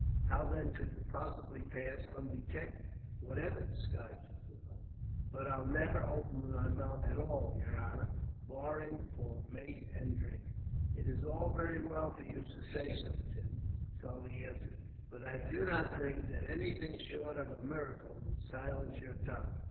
How then could you possibly pass undetected, whatever disguise you put on?" "But I'd never open my mouth at all, at all, yer honor, barring for mate and drink." "It's all very well for you to say so, Tim," Charlie answered; "but I do not think that anything, short of a miracle, would silence your tongue.